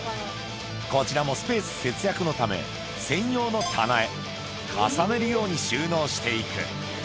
こちらもスペース節約のため、専用の棚へ、重ねるように収納していく。